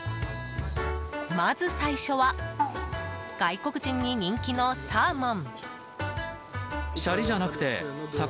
まず最初は外国人に人気のサーモン。